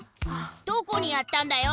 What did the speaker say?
どこにやったんだよ！